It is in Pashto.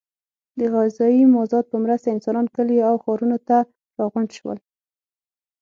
د غذایي مازاد په مرسته انسانان کلیو او ښارونو ته راغونډ شول.